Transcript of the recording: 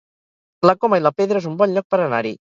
La Coma i la Pedra es un bon lloc per anar-hi